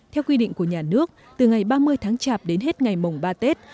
theo quy định của nhà nước từ ngày ba mươi tháng chạp đến hết ngày mùng ba tết